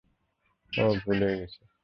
ওহ, ভুল হয়ে গেছে!